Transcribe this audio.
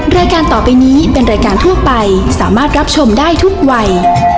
รายการต่อไปนี้เป็นรายการทั่วไปสามารถรับชมได้ทุกวัย